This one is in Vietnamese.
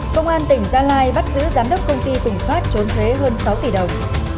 công an tỉnh gia lai bắt giữ giám đốc công ty tùng phát trốn thuế hơn sáu tỷ đồng